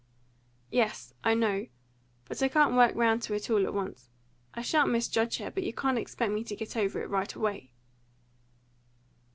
"Yes, I know. But I can't work round to it all at once. I shan't misjudge her, but you can't expect me to get over it right away."